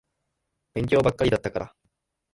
勉強ばっかりだったから。